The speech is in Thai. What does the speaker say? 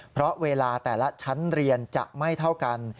เพราะเวลาแต่ละชั้นเรียนจะไม่เท่ากัน